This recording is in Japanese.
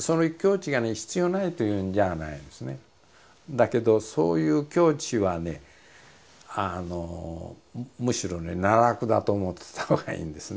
だけどそういう境地はねむしろね奈落だと思ってたほうがいいんですね。